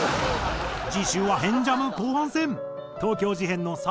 次週は「変ジャム」後半戦。